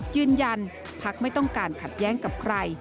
ยืนยันพักไม่ต้องการขัดแย้งกับใคร